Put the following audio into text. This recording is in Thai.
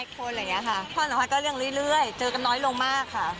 พ่อสามารถก็เรื่องเรื่อยเจอกันน้อยลงมากค่ะ